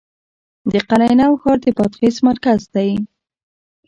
د قلعه نو ښار د بادغیس مرکز دی